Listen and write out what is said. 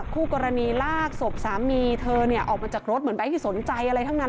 คู่กรณีลากศพสามีเธอออกมาจากรถเหมือนใบที่สนใจอะไรทั้งนั้น